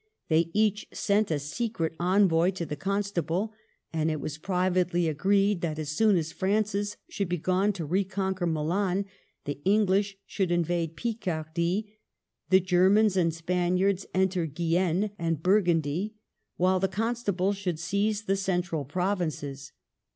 They each sent a secret envoy to the Constable ; and it was privately agreed that as soon as Francis should be gone to reconquer Milan the English should invade Pic ardy, the Germans and Spaniards enter Guienne and Burgundy, while the Constable should seize the central provinces.